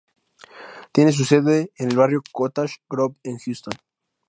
Tiene su sede el barrio Cottage Grove en Houston.